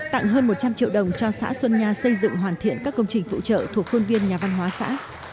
tặng hơn một trăm linh triệu đồng cho xã xuân nha xây dựng hoàn thiện các công trình phụ trợ thuộc khuôn viên nhà văn hóa xã